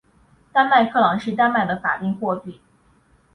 丹麦克朗是丹麦的法定货币。